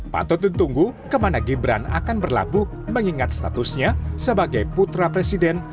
patut ditunggu kemana gibran akan berlabuh mengingat statusnya sebagai putra presiden